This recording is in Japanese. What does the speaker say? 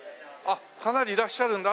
かなりいらっしゃるんだ。